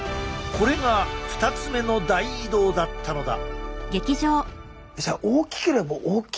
これが２つ目の大移動だったのだ。